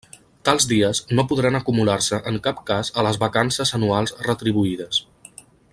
Tals dies no podran acumular-se en cap cas a les vacances anuals retribuïdes.